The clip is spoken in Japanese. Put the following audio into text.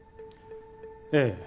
ええ。